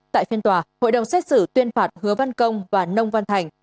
tại phiên tòa hội đồng xét xử tuyên phạt hứa văn công và nông văn thành